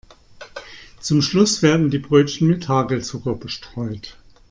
Zum Schluss werden die Brötchen mit Hagelzucker bestreut.